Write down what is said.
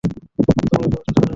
উত্তমরূপে পবিত্রতা অর্জন করল।